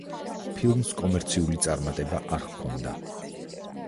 ფილმს კომერციული წარმატება არ ჰქონდა.